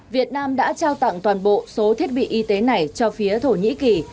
việt nam đã trao tặng toàn bộ số thiết bị y tế này cho phía thổ nhĩ kỳ